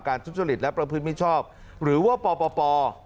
ทุจริตและประพฤติมิชชอบหรือว่าปป